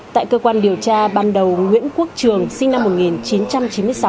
tại cơ quan điều tra ban đầu nguyễn quốc trường sinh năm một nghìn chín trăm chín mươi sáu